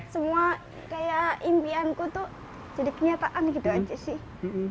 semua kayak impianku tuh jadi kenyataan gitu aja sih